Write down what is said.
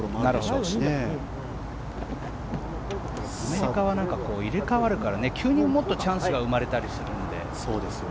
アメリカは入れ替わるから急にチャンスが生まれたりするので。